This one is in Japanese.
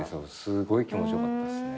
すごい気持ち良かったですね。